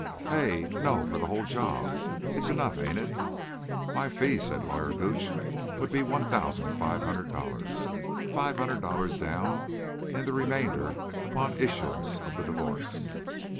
"Hey? No; for the whole job. It's enough, ain't it?" "My fee," said Lawyer Gooch, "would be one thousand five hundred dollars. Five hundred dollars down, and the remainder upon issuance of the divorce."